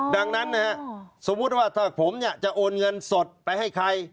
ดังนั้นนะฮะสมมุติว่าถ้าผมจะโอนเงินสดไปให้ใคร